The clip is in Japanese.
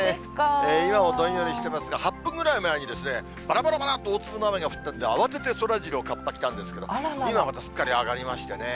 今もどんよりしてますが、８分ぐらい前に、ばらばらばらっと大粒の雨が降ったんで、慌ててそらジロー、かっぱ着たんですけど、今またすっかり上がりましてね。